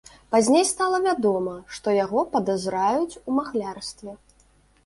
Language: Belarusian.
Пазней стала вядома, што яго падазраюць у махлярстве.